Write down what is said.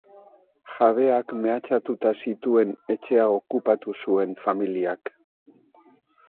Jabeak mehatxatuta zituen etxea okupatu zuen familiak.